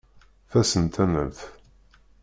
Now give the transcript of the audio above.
Tasentanalt.